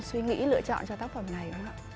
suy nghĩ lựa chọn cho tác phẩm này